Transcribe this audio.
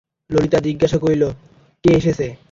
ললিতা জিজ্ঞাসা করিল, কে এসেছে?